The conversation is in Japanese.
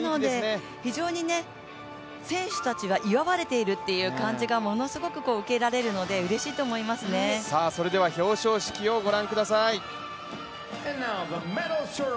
なので非常に選手たちが祝われているという感じがものすごく受けられるのでそれでは表彰式をご覧ください。